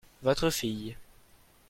Votre fille.